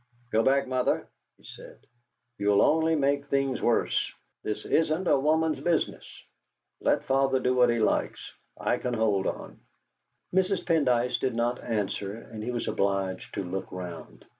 "Go back, Mother!" he said. "You'll only make things worse. This isn't a woman's business. Let father do what he likes; I can hold on!" Mrs. Pendyce did not answer, and he was obliged to look round.